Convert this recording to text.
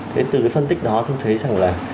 thế từ cái phân tích đó tôi thấy rằng là